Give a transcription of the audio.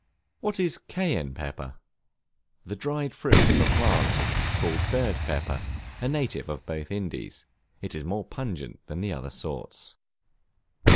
What is Cayenne Pepper? The dried fruit of a plant called bird pepper, a native of both Indies. It is more pungent than the other sorts.